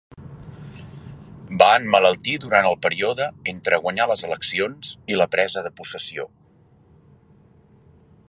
Va emmalaltir durant el període entre guanyar les eleccions i la presa de possessió.